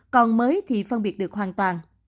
còn mới thì phân biệt được hoàn toàn